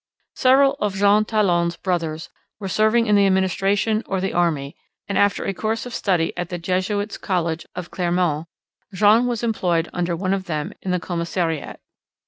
Several of Jean Talon's brothers were serving in the administration or the army, and, after a course of study at the Jesuits' College of Clermont, Jean was employed under one of them in the commissariat.